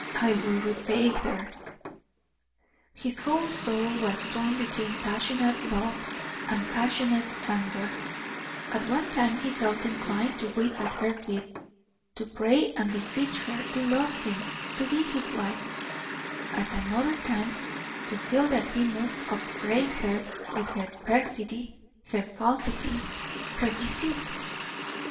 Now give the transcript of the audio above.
I will repay her!" His whole soul was torn between passionate love and passionate anger; at one time he felt inclined to weep at her feet, to pray and beseech her to love him, to be his wife; at another time to feel that he must upbraid her with her perfidy, her falsity, her deceit.